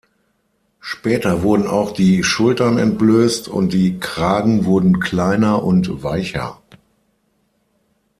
Später wurden auch die Schultern entblößt, und die Kragen wurden kleiner und weicher.